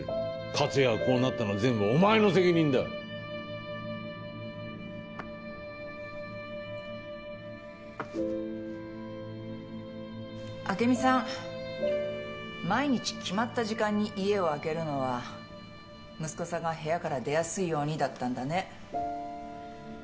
克哉がこうなったのは全部お前の責朱美さん毎日決まった時間に家を空けるのは息子さんが部屋から出やすいようにだったんだね。